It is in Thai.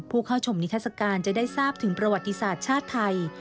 ผู้เข้าชมนิทัศกาลจะได้ทราบถึงประวัติศาสตร์ชาติไทย